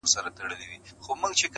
o په خوله خوږ، په کونه کوږ .